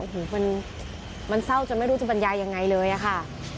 โอ้โหมันเศร้าจนไม่รู้จะบรรยายยังไงเลยอะค่ะ